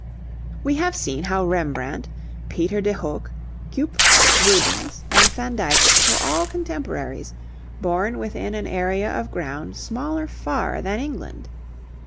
We have seen how Rembrandt, Peter de Hoogh, Cuyp, Rubens, and Van Dyck were all contemporaries, born within an area of ground smaller far than England.